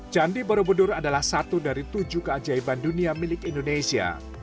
candi borobudur adalah satu dari tujuh keajaiban dunia milik indonesia